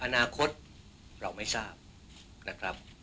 อนาคตเราไม่ทราบนะครับ